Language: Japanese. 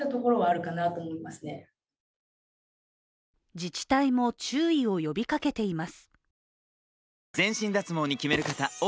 自治体も注意を呼びかけています。